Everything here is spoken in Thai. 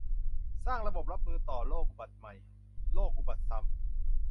สร้างระบบรับมือต่อโรคอุบัติใหม่ โรคอุบัติซ้ำ